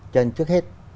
cho nên trước hết